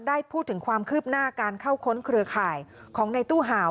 ได้พูดถึงความคืบหน้าการเข้าค้นเครือข่ายของในตู้ห่าว